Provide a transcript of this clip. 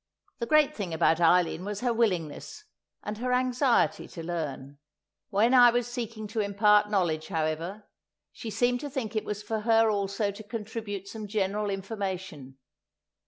The great thing about Eileen was her willingness, and her anxiety to learn. When I was seeking to impart knowledge, however, she seemed to think it was for her also to contribute some general information.